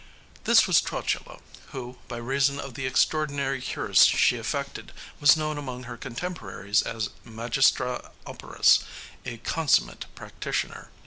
This was Trotula, who, by reason of the extraordinary cures she effected, was known among her contemporaries as magistra operis a consummate practitioner.